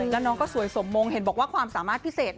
แล้วน้องก็สวยสมมงเห็นบอกว่าความสามารถพิเศษ